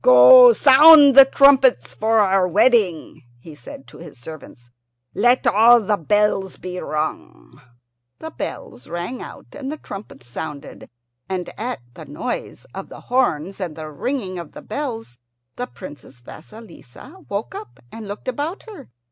"Go, sound the trumpets for our wedding," he said to his servants; "let all the bells be rung." The bells rang out and the trumpets sounded, and at the noise of the horns and the ringing of the bells the Princess Vasilissa woke up and looked about her.